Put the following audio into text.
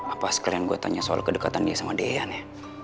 apa sekalian gue tanya soal kedekatan dia sama dean ya